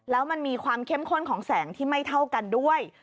แล้วมันมีความเข้มข้นของแสงที่ไม่เท่ากันด้วย